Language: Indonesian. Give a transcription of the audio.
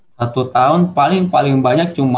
satu tahun paling paling banyak cuma empat